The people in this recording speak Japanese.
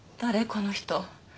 この人